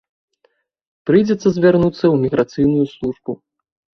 Прыйдзецца звярнуцца ў міграцыйную службу.